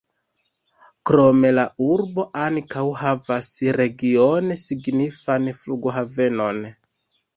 Krome la urbo ankaŭ havas regione signifan flughavenon.